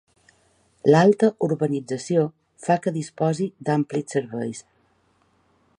L'alta urbanització fa que disposi d'amplis serveis.